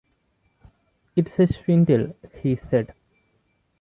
“It’s a swindle!” he said.